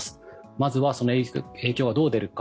まずは、その影響がどう出るか。